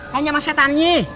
tanya sama setan nya